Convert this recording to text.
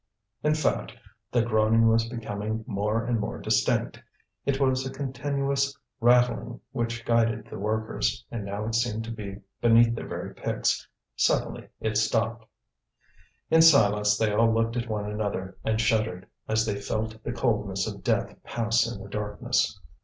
In fact the groaning was becoming more and more distinct. It was a continuous rattling which guided the workers; and now it seemed to be beneath their very picks. Suddenly it stopped. In silence they all looked at one another, and shuddered as they felt the coldness of death pass in the darkness.